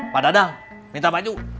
pak dadang minta baju